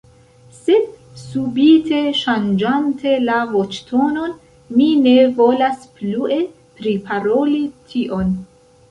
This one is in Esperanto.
Sed subite ŝanĝante la voĉtonon mi ne volas plue priparoli tion.